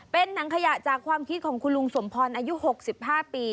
เป็นหนังขยะจากความคิดของคุณลุงสมพรอายุ๖๕ปี